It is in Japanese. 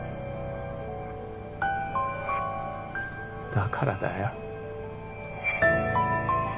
だからだよ